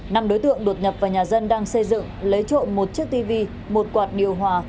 năm đối tượng đột nhập vào nhà dân đang xây dựng lấy trộm một chiếc tv một quạt điều hòa